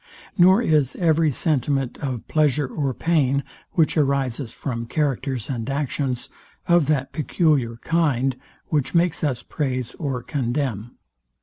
Nor is every sentiment of pleasure or pain, which arises from characters and actions, of that peculiar kind, which makes us praise or condemn.